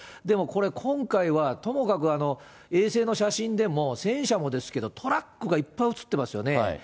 でもこれ、今回は、ともかく衛星の写真でも戦車もですけど、トラックがいっぱい写ってますよね。